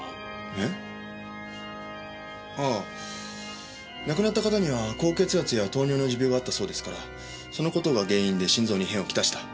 えっ？ああ亡くなった方には高血圧や糖尿の持病があったそうですからその事が原因で心臓に異変をきたした。